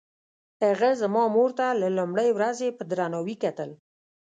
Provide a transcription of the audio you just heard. هغه زما مور ته له لومړۍ ورځې په درناوي کتل.